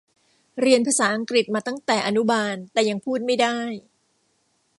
เรียนภาษาอังกฤษมาตั้งแต่อนุบาลแต่ก็ยังพูดไม่ได้